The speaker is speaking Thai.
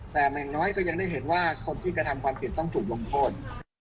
แต่อย่างน้อยก็ยังได้เห็นว่าคนที่กระทำความผิดต้องถูกลงโทษ